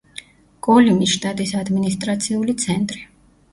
კოლიმის შტატის ადმინისტრაციული ცენტრი.